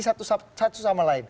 satu sama lain